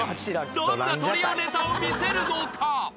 ［どんなトリオネタを見せるのか？］